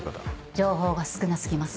情報が少な過ぎます